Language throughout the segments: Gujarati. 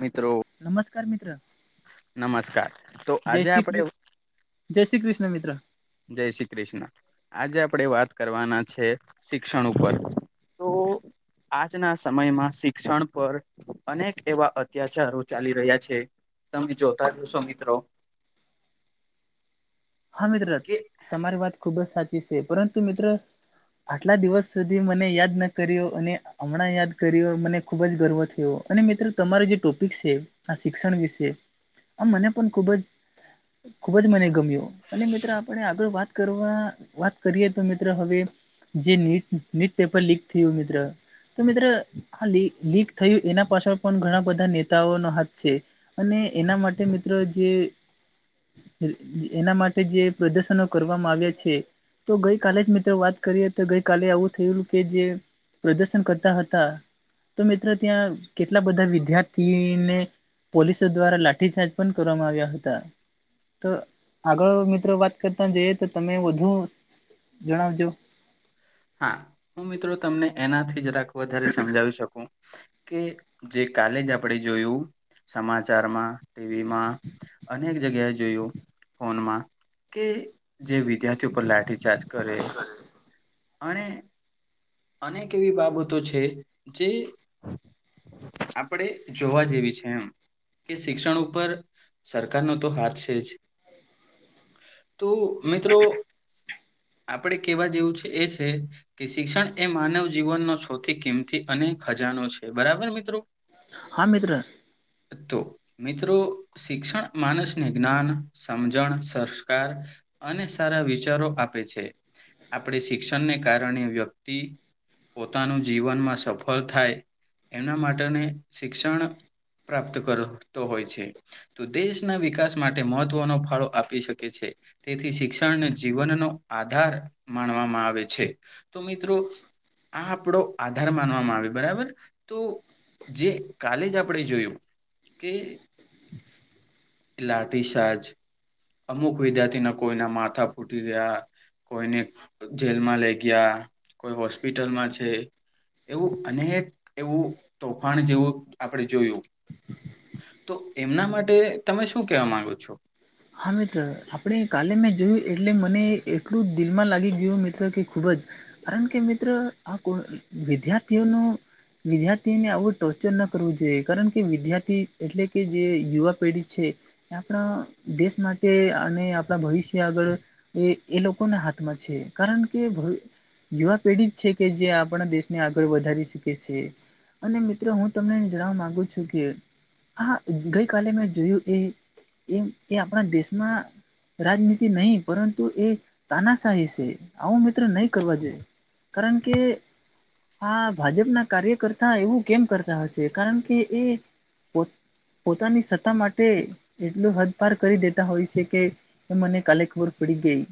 મિત્રો નમસ્કાર મિત્ર નમસ્કાર તો જય આજે આપડે... શ્રી જય શ્રી કૃષણ મિત્ર જય શ્રી કૃષ્ણ. આજે આપણેે વાત કરવાના છે, શિક્ષણ ઉપર તો... આજના સમયમાં શિક્ષણ પર... અનેક એવા અત્યાચારો ચાલી રહ્યા છે તમે જોતા જ હશો મિત્રો. હા મિત્ર કે તમારી વાત ખૂબ જ સાચી છે, પરંતુ મિત્ર... આટલા દિવસ સુધી મને યાદ ન કર્યો અને હમણાં યાદ કર્યો મને... ખૂબ જ ગર્વ થયો અને મિત્રો તમારો જે ટોપિક છે, આ શિક્ષણ વિશે. આમ મને પણ ખુબ જ ખુબ જ મને ગમ્યો અને મિત્ર આપણે આગળ વાત... કરવા વાત કરીએ તો મિત્ર હવે જે નીટ નીટ પેપર લીક થયું મિત્ર... તો મિત્ર આ લીક લીક થયું એના પાછળ પણ ઘણા બધા નેતાઓનો હાથ છે. અને એના માટે મિત્રો જે એના માટે... જે પ્રદર્શનો કરવામાં આવ્યા છે. તો ગઈકાલે જ મિત્રો વાત કરીએ તો ગઈ કાલે આવું થયું કે જે પ્રદર્શન ક-.. - રતા હતા તો મિત્રો ત્યાં કેટલા બધા વિદ્યાર્થીએ અમને.. પોલીસો દ્વારા લાઠીચાર્જ પણ કરવામાં આવ્યા હતા તો.. અ મિત્રો વાત કરતા જઈએ તો તમે વધુ જણાવજો. હા હું મિત્રો તમને એનાથી જરાક વધારે સમજાવી શકું. કે જે કાલે જ આપણે જોયું સમાચારમાં ટીવીમાં... અનેક જગ્યાએ જોયું ફોનમાં કે... જે વિદ્યાર્થી પર લાથી ચાર્જ કરે... અને અનેક એવી બાબતો છે, જે... આપડે જોવા જેવી છે, એમ. કે શિક્ષણ ઉપર સરકારનો તો હાથ છે, જ તો મિત્રો આપણે કેવા જેવું છે એ છે. કે શિક્ષણ એ માનવ જીવનનો સૌથી કિંમતી અને ખજાનો છે બરાબર મિત્રો. હા મિત્ર તો મિત્રો શિક્ષણ માણસને જ્ઞાન, સમજણ, સંસ્કાર. અને સારા વિચારો આપે છે. આપણે શિક્ષણને કારણે વ્યક્તિ પોતાનું જીવનમાં સફળ થાય એમના માટેની શિક્ષણ પ્રાપ્ત કરતો હોય છે. તો દેશના વિકાસ માટે મહત્વનો ફાળો આપી શકે છે. તેથી શિક્ષણને જીવનનો આધાર માનવામાં આવે છે તો મિત્રો આ આપણો આધાર માનવામાં આવે બરાબર તો જે કાલે જ આપણે જોયું કે લાઠીચાર્જ અમુક વિદ્યાર્થીના કોઈના માથા ફૂટી ગયા કોઈને જેલમાં લઈ ગયા કોઈ હોસ્પિટલમાં છે. એવું અનેક એવું તોફાન જેવું આપણે જોયું તો એમના માટે તમે શું કેવા માંગો છો? હા મિત્ર આપણે કાલે મેં જોયું એટલે મને એટલું દિલમાં લાગી ગયું મિત્ર કે ખુબ જ કારણ કે મિત્ર આ વિદ્યાર્થીઓનું વિદ્યાર્થીને આવું ટોર્ચર ન કરવું જોઈએ કારણ કે વિદ્યાર્થી એટલે કે જે યુવા પેઢી છે. આપણા દેશ માટે અને આપણા ભવિષ્ય આગળ એ એ લોકોના હાથમાં છે કારણ કે ભ યુવા પેઢી જ છે કે જે આપણા દેશને આગળ વધારી શકે છે. અને મિત્રો હું તમને જણાવા માંગુ છું કે હા ગઈકાલે મેં જોયું એ એમ કે આપણા દેશમાં રાજનીતિ નહીં પરંતુ એ તાનાશાહી છે. આવું મિત્ર નહી કરવા જોઈએ કારણ કે આ ભાજપના કાર્યકર્તા એવું કેમ કરતા હશે કારણ કે એ પો પોતાની સત્તા માટે એટલું હદ વેપાર કરી દેતા હોય છે કે મને કાલે ખબર પડી ગઈ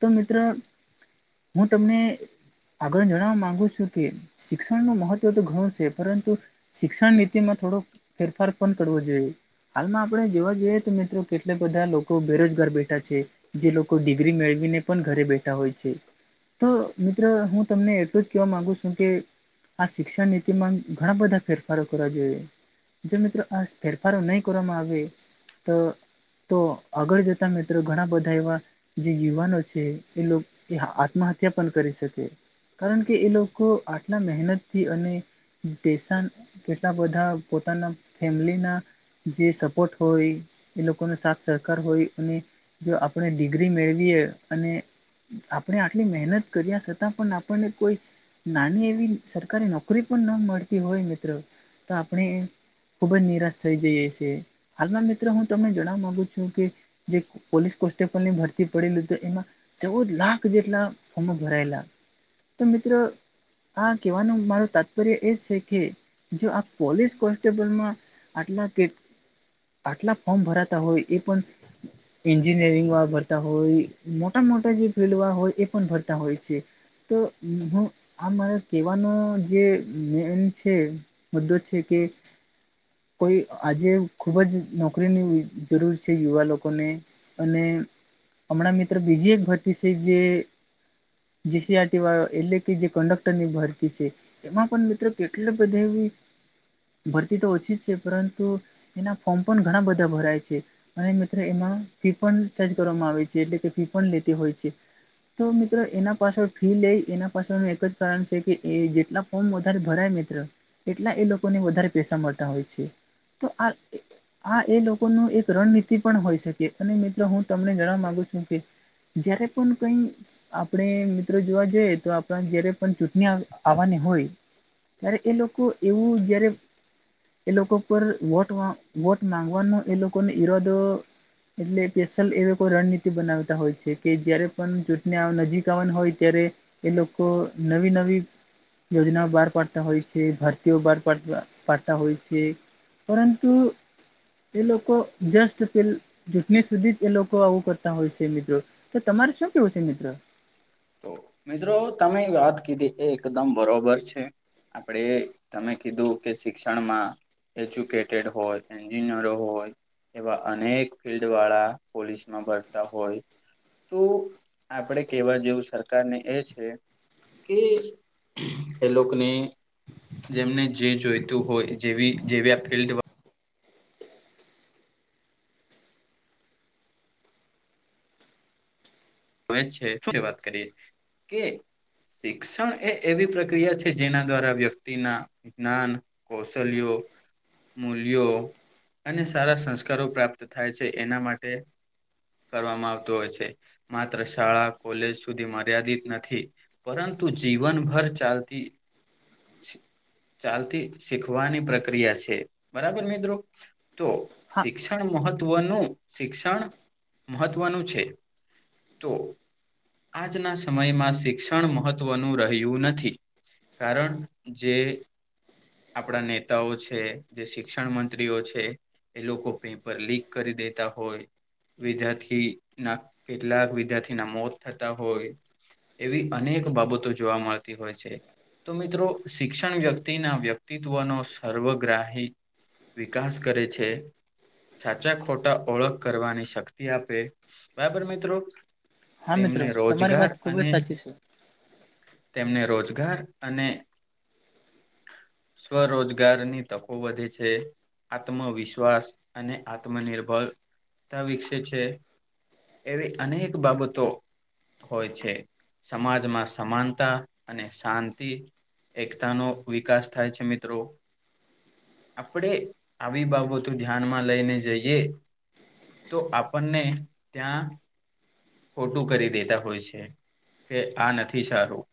તો મિત્રો હું તમને આગળ જણવા માંગુ છું કે શિક્ષણ નુ મહત્વ તો ઘણું છે પરંતુ શિક્ષણ નીતિમાં થોડો ફેરફાર પણ કરવો જોઈએ હાલમાં આપણે જોવા જઈએ તો મિત્ર કેટલા બધા લોકો બેરોજગાર બેઠા છે. જે લોકો ડિગ્રી મેળવીને પણ ઘરે બેઠા હોય છે. તો મિત્ર હું તમને એટલું જ કેહેવા માંગુ છું કે આ શિક્ષણ નીતિમાં ઘણા બધા ફેરફારો કરવા જોઈએ. જો મિત્રો આ ફેરફારો નહીં કરવામાં આવે તો તો આગળ જતા મિત્રો ઘણા બધા એવા જે યુવાનો છે એ લોકો એ આત્મહત્યા પણ કરી શકે. કારણ કે એ લોકો આટલા મહેનતથી અને પૈસા કેટલા બધા પોતાના ફેમલી ના જે સપોર્ટ હોય એ લોકોનો સાથ સહકાર હોય અને જો આપણે ડિગ્રી મેળવીએ અને આપણે આટલી મહેનત કર્યા છતાં પણ આપણને કોઈ નાની એવી સરકારી નોકરી પણ ન મળતી હોય તો મિત્ર આપણે ખુબ જ નિરાશ થઈ જઈએ છીએ હાલમાં મિત્રો હું તમને જણવા માંગુ છું કે જે પોલીસ કોન્સ્ટેબલ ની ભરતી પડેલ હતું એમાં ચૌદ લાખ જેટલા ફ્રોમો ભરાયેલા તો મિત્રો આ કહેવાનું મારો તાતપ્રય એ છે કે જો આ પોલીસ કોન્સ્ટેબલમાં આટલા કે આટલા ફોર્મ ભરાતા હોય એ પણ એન્જિનિયરિંગવાળા ભરતા હોય, મોટા મોટા જે ફિલ્ડ હોય એ પણ ભરતા હોય છે. તો હું આ મારે કહેવાનો જે મેન છે. મુદ્દો છે કે કોઈ આજે ખુબ જ નક નોકરીની જરૂર છે, યુવા લોકોને અને હમણાં મિત્ર બીજી એક ભરતી છે જે જીસીઆરટી વાળો એટલે કે જે કન્ડક્ટર ની ભરતી છે. એમાં પણ મિત્રો કેટલા બધે ભરતી તો ઓછી જ છે પરંતુ એના ફોર્મ પણ ઘણા બધા ભરાય છે. અને મિત્રો એમાં ફી પણ ચાર્જ કરવામાં આવે છે એટલે કે ફી પણ લેતી હોય છે. તો મિત્રો એના પાછળ ફી લઈ એના પાછળનું એક જ કારણ છે કે એ જેટલા ફ્રોમ વધારે ભરાય મિત્ર એટલા એ લોકોને વધારે પૈસા મળતા હોય છે તો આ આ એ લોકોનું એક રણનીતિ પણ હોય શકે અને મિત્રો હું તમને જણવા માંગુ છું કે જ્યારે પણ કંઈ આપણે મિત્રો જોવા જઈએ તો આપણ જયારે પણ ચૂંટણી આવવાની હોય ત્યારે એ લોકો એવું જ્યાંરે એ લોકો પર વોટ વોટ માંગવાનો એ લોકોનો ઈરાદો એટલે સ્પેશલ એવી કોઈ રણનીતિ બનાવતા હોય છે, કે જયારે પણ ચૂંટણી આવા ન નજીક આવાની હોય ત્યારે એ લોકો નવી નવી યોજનાઓ બાર પાડતા હોય છે, ભરતીઓ બાર પાડતા હોય છે. પરંતુ એ લોકો જસ્ટ પેલ ચૂંટણી સુધી જ એ લોકો આવું કરતા હોય છે મિત્રો તો તમારે શું કેવું છે મિત્રો તો મિત્રો તમે વાત કીધી એ એકદમ બરોબર છે. આપણે તમે કીધું કે શિક્ષણમાં એજ્યુકેટેડ હોય એન્જિનિયરો હોય એવા અનેક ફિલ્ડ વાળા પોલીસ માં ભરતા હોય તો આપડે કેવા જેવું શું સરકાર ને એ છે કે એ લોકોને જેમને જે જોઈતું હોય જેવી જેવી આ ફિલ્ડમાં હવે છે વાત કરીએ કે શિક્ષણ એ એવી પ્રક્રિયા છે, જેના દ્વારા વ્યક્તિના વિજ્ઞાન કૌશલ્યો મૂલ્યો અને સારા સંસ્કારો પ્રાપ્ત થાય છે એના માટે કરવામાં આવતું હોય છે માત્ર શાળા કોલેજ સુધી મર્યાદિત નથી. પરંતુ જીવનભર ચાલતી ચાલતી શીખવાની પ્રક્રિયા છે બરાબર મિત્રો તો હા શિક્ષણ મહત્વનું શિક્ષણ મહત્વનું છે. તો આજના સમયમાં શિક્ષણ મહત્વનું રહ્યું નથી. કારણ જે આપણા નેતાઓ છે જે શિક્ષણ મંત્રીઓ છે. એ લોકો પેપર લીક કરી દેતા હોય વિદ્યાર્થીના કેટલાક વિદ્યાર્થીના મોત થતા હોય એવી અનેક બાબતો જોવા મળતી હોય છે. તો મિત્રો શિક્ષણ વ્યક્તિના વ્યક્તિત્વનો સર્વગ્રાહી વિકાસ કરે છે. સાચા ખોટા ઓળખ કરવાની શક્તિ આપે બરાબર મિત્રો. હા તેમને મિત્રો તમારી રોજગાર વાત ખુબ જ અને સાચી છે તેમને રોજગાર અને સ્વ રોજગારની તકો વધે છે. આત્મવિશ્વાસ અને આત્મનિર્ભરતા વિકસે છે. એવી અનેક બાબતો હોય છે, સમાજમાં સમાનતા અને શાંતિ એકતાનો વિકાસ થાય છે મિત્રો. આપણે આવી બાબતો ધ્યાનમાં લઈને જઈએ. તો આપણને ત્યાં ખોટું કરી દેતા હોય છે કે આ નથી સારું.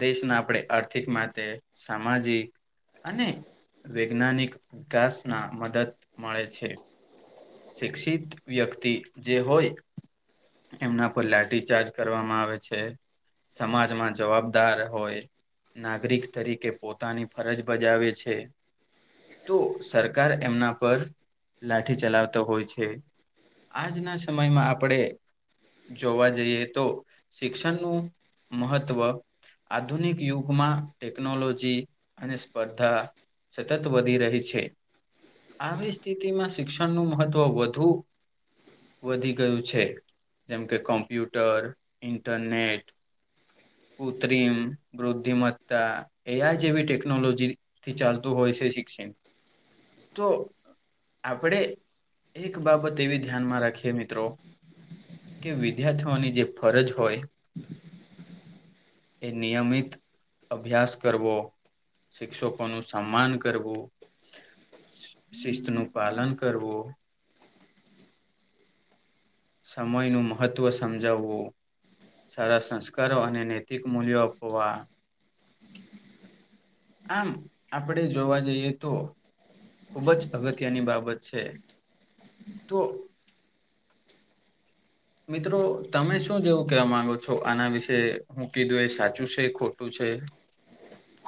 દેશના આપણે આર્થિક માટે સામાજિક અને વૈજ્ઞાનિક વિકાસના મદદ મળે છે. શિક્ષિત વ્યક્તિ જે હોય એમના પર લાઠીચાર્જ કરવામાં આવે છે, સમાજમાં જવાબદાર હોય નાગરિક તરીકે પોતાની ફરજ બજાવે છે. તો સરકાર એમના પર લાઠી ચલાવતો હોય છે. આજના સમયમાં આપણે જોવા જઈએ તો શિક્ષણનું મહત્ત્વ આધુનિક યુગમાં ટેકનોલોજી અને સ્પર્ધા સતત વધી રહી છે. આવી સ્થિતિમાં શિક્ષણનું મહત્વ વધુ વધી ગયું છે. જેમ કે કોમ્પ્યુટર ઇન્ટરનેટ કૃત્રિમ બુદ્ધિમત્તા એઆઈ જેવી ટેકનોલોજી થી ચાલતું હોય છે શિક્ષણ. તો આપણે એક બાબત એવી ધ્યાનમાં રાખીએ મિત્રો કે વિદ્યાર્થીઓની જે ફરજ હોય એ નિયમિત અભ્યાસ કરવો. શિક્ષકોનું સન્માન કરવું. શિસ્તનું પાલન કરવું. સમયનું મહત્વ સમજાવવું. સારા સંસ્કારો અને નૈતિક મૂલ્યો આપવા. આમ આપડે જોવા જઈએ તો ખૂબ જ અગત્યની બાબત છે તો મિત્રો તમે શું જેવું કવા માંગો છો આના વિશે હું કીધું એ સાચું છે ખોટું છે.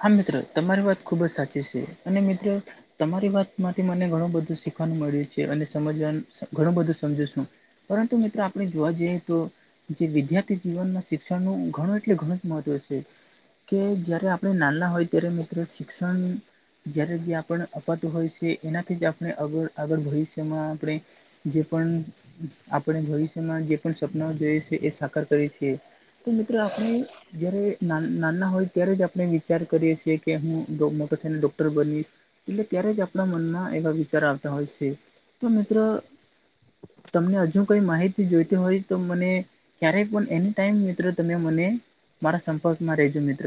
હા મિત્રો તમારી વાત ખુબ જ સાચી છે, અને મિત્રો તમારી વાતમાંથી મને ઘણું બધું શીખવાનું મળ્યું છે, અને સમજવાનું ઘણું બધું સમજું છું. પરંતુ મિત્રો આપણે જોવા જઈએ તો જે વિદ્યાર્થી જીવનમાં શિક્ષણનું ઘણું એટલે ઘણું જ મહત્વ છે, કે જ્યારે આપણે નાના હોય ત્યારે મિત્રો શિક્ષણ જયારે જે અપાતું હોય છે, એનાથી જ આગળ ભવિષ્યમાં આપણે જે પણ આપણે ભવિષ્યમાં જે પણ સપના જોઈએ છે, એ સાકાર કરીએ છીએ. તો મિત્રો આપણે જ્યારે ના નાના હોય ત્યારે જ અ વિચાર કરીએ છીએ હું મોટા થઈને ડોક્ટર બનીશ. એટલે ત્યારે જ આપણા મનમાં એવા વિચાર આવતા હોય છે, તો મિત્ર તમને હજુ કઈ માહિતી જોઈતી હોય તો મને ક્યારેય પણ એની ટાઈમ મિત્ર તમે મને મારા સંપર્કમાં રેજો મિત્ર.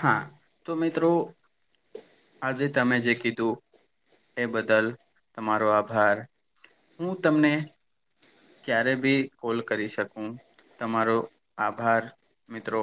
હા તો મિત્રો આજે તમે જે કીધું એ બદલ તમારો આભાર હું તમને ક્યારે બી કોલ કરી શકું તમારો આભાર મિત્રો.